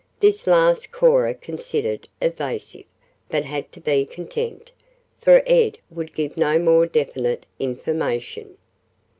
This last Cora considered evasive, but had to be content, for Ed would give no more definite information.